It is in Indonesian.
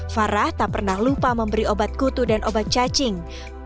farah tak pernah lupa memberi obat kutu dan obat cacing